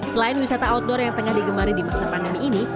selain wisata outdoor yang tengah digemari di masa pandemi ini